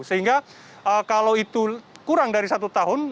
sehingga kalau itu kurang dari satu tahun